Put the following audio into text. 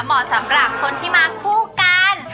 เหมาะสำหรับคนที่มาคู่กัน